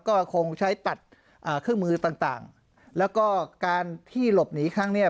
ก็คงใช้ตัดเครื่องมือต่างแล้วก็การที่หลบหนีข้างนี้